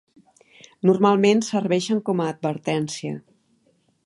Normalment serveixen com a advertència.